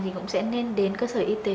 thì cũng sẽ nên đến cơ sở y tế